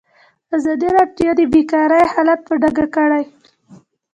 ازادي راډیو د بیکاري حالت په ډاګه کړی.